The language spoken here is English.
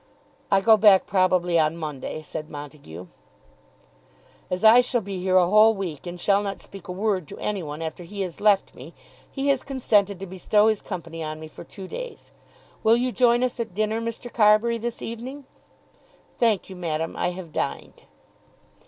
"I go back probably on Monday," said Montague. "As I shall be here a whole week, and shall not speak a word to any one after he has left me, he has consented to bestow his company on me for two days. Will you join us at dinner, Mr. Carbury, this evening?" "Thank you, madam; I have dined."